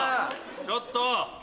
ちょっと！